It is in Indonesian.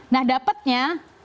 nah dapatnya tiga belas